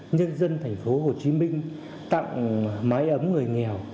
nhân dân thành phố hồ chí minh tặng mái ấm người nghèo